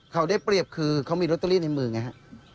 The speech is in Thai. เขาได้เปรียบคือเขามีลอตเตอรี่ในมือไงฮะ